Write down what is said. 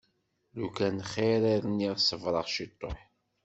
Lukan xir i rniɣ ṣebreɣ ciṭuḥ.